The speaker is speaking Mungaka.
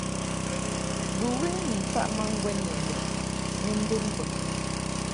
Bɨwi ni mfaʼ ma ŋgwɛn ni lum ni mbeb mbɨŋ.